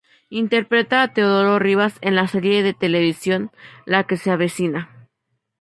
Interpreta a Teodoro Rivas en la serie de televisión "La que se avecina".